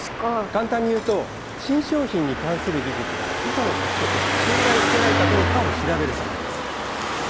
簡単に言うと新商品に関する技術が他社の特許権を侵害してないかどうかを調べる作業です。